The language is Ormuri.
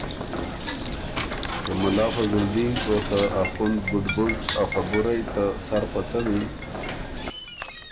”ته مُلا فضل دین او ته اخوند ګُربز ا خبُرئ ته سر په څمی،